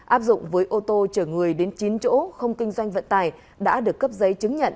áp dụng với ô tô chở người đến chín chỗ không kinh doanh vận tải đã được cấp giấy chứng nhận